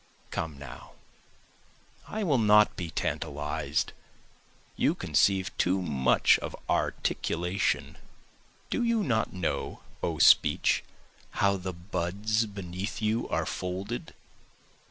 Come now I will not be tantalized, you conceive too much of articulation, Do you not know O speech how the buds beneath you are folded?